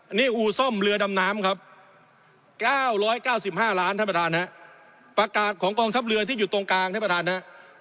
อันนี้อู่ซ่อมเรือดำน้ำครับ๙๙๕ล้านท่านประธานฮะประกาศของกองทัพเรือที่อยู่ตรงกลางท่านประธานฮะ